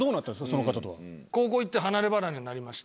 その方とは。